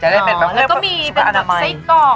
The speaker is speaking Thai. แล้วก็มีแบบไส้กอกมีอะไรด้วย